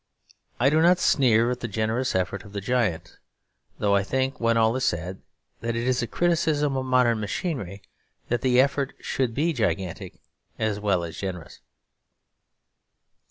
I do not sneer at the generous effort of the giant; though I think, when all is said, that it is a criticism of modern machinery that the effort should be gigantic as well as generous.